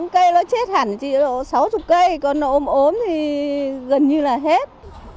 sáu mươi cây nó chết hẳn chỉ sáu mươi cây còn nó ốm ốm thì gần như là hết